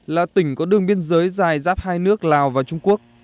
là tỉnh có đường biên giới dài giáp hai nước lào và trung quốc